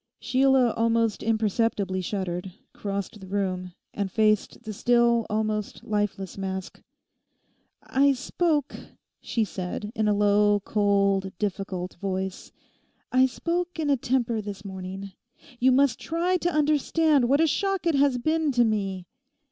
Sheila almost imperceptibly shuddered, crossed the room, and faced the still, almost lifeless mask. 'I spoke,' she said, in a low, cold, difficult voice—'I spoke in a temper this morning. You must try to understand what a shock it has been to me.